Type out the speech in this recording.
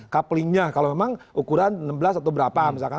couplingnya kalau memang ukuran enam belas atau berapa misalkan